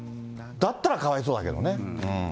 だったらかわいそうだけどね。